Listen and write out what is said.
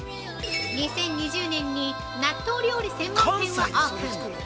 ２０２０年に納豆料理専門店をオープン！